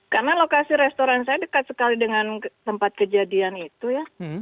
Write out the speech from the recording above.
karena lokasi restoran saya dekat sekali dengan tempat kejadian itu ya